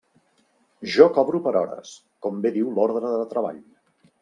Jo cobro per hores, com bé diu l'ordre de treball.